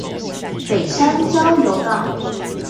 北山交流道